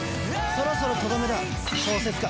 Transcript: そろそろとどめだ小説家。